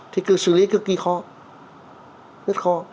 thì cứ xử lý cực kỳ khó rất khó